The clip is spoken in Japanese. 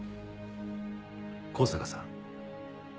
向坂さん。